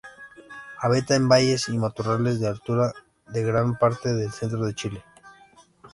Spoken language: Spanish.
Habita en valles y matorrales de altura de gran parte del centro de Chile.